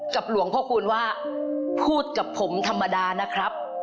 หลวงพ่อคูณว่าพูดกับผมธรรมดานะครับ